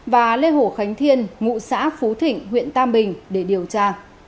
và lê hồ khánh thiên ngụ xã phú thịnh huyện tam bình để điều tra